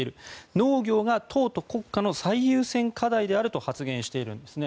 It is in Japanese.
農業が党と国家の最優先課題であると発言しているんですね。